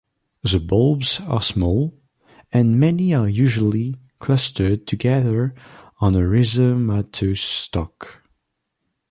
The bulbs are small, and many are usually clustered together on a rhizomatous stock.